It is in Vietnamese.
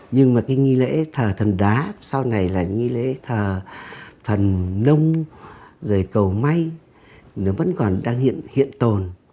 nhưng mà cái nghi lễ thờ thần đá sau này là nghi lễ thờ thần nông rồi cầu may nó vẫn còn đang hiện hiện tồn